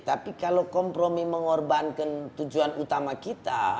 tapi kalau kompromi mengorbankan tujuan utama kita